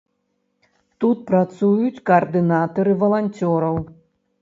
Тут працуюць каардынатары валанцёраў.